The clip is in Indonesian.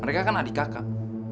mereka kan adik kakak